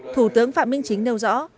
thủ tướng phạm minh chính nêu rõ